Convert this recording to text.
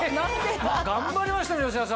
頑張りましたね吉田さん。